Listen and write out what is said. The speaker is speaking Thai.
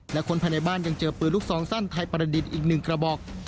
และคนภายในบ้านยังเจอปืนลูกซองสั้นไทยประดิษฐ์อีก๑กระบอก